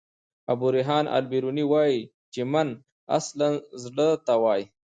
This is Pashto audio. ابو ریحان البروني وايي چي: "من" اصلاً زړه ته وايي.